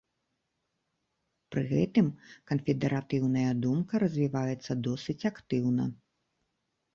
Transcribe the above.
Пры гэтым канфедэратыўная думка развіваецца досыць актыўна.